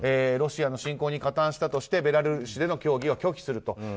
ロシアの侵攻に加担したとしてベラルーシでの協議を拒否すると。